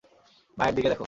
মায়ের দিকে দেখো।